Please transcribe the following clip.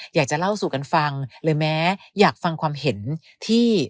อยากจะเล่าสู่กันฟังหรือแม้อยากฟังความเห็นที่